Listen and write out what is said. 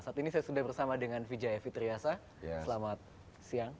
saat ini saya sudah bersama dengan vijaya fitriasa selamat siang